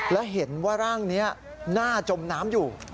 และเห็นว่าร่างนี้หน้าจมน้ำอยู่